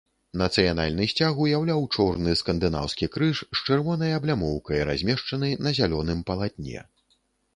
Нацыянальны сцяг уяўляў чорны скандынаўскі крыж з чырвонай аблямоўкай, размешчаны на зялёным палатне.